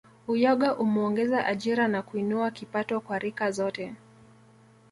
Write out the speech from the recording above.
Uyoga umeongeza ajira na kuinua kipato kwa rika zote